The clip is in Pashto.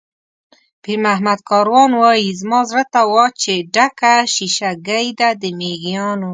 پیرمحمد کاروان وایي: "زما زړه ته وا چې ډکه شیشه ګۍ ده د مېږیانو".